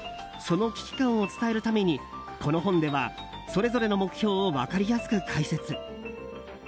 その危機感を伝えるためにこの本ではそれぞれの目標を分かりやすく解説。